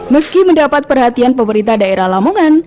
meski mendapat perhatian pemerintah daerah lamongan